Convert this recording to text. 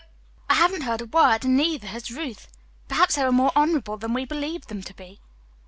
"I haven't heard a word, and neither has Ruth. Perhaps they were more honorable than we believed them to be."